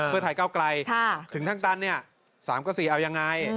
เพื่อไทยก้าวไกลถึงทางตันเนี่ย๓๙๔เอายังไง